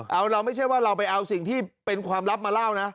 เอาเราไม่ใช่ว่าเราไปเอาสิ่งที่เป็นความลับมาเล่านะ